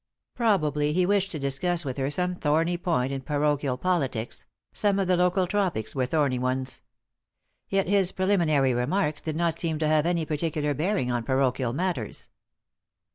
Probably he wished to discuss with her some thorny point in parochial politics — some of the local topics were thorny ones. Yet bis preliminary remarks did not seem to have any particular bearing on parochial matters.